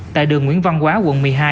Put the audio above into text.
tại đường nguyễn văn quá quận một mươi hai